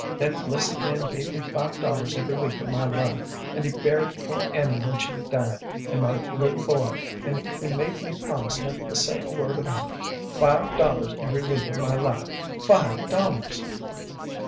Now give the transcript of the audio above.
That blessed man gave me five dollars every week of my life, and he buried poor Annie when she died, and my little boy, and he made me promise never to say a word about it. Five dollars every week of my life five dollars."